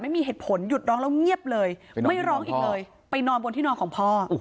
ไม่มีเหตุผลหยุดร้องแล้วเงียบเลยไม่ร้องอีกเลยไปนอนบนที่นอนของพ่อ